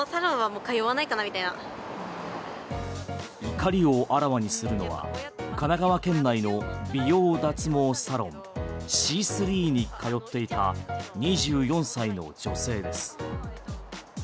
怒りをあらわにするのは神奈川県内の美容脱毛サロンシースリーに通っていた２４歳の女性です。